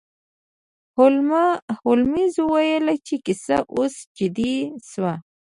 هولمز وویل چې کیسه اوس جدي شوه.